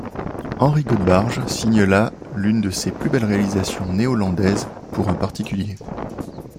Henri Godbarge signe là l'une de ses plus belles réalisations néo-landaises pour un particulier.